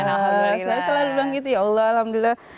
saya selalu bilang gitu ya allah alhamdulillah